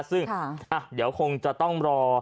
ซึ่งเดี๋ยวคงจะต้องรอ